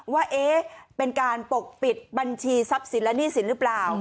ว่าเอ๊ะเป็นการปกปิดบัญชีทรัพย์สินและหนี้สินหรือเปล่า